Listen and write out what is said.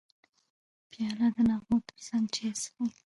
پیاله د نغمو ترڅنګ چای څښي.